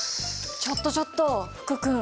ちょっとちょっと福君。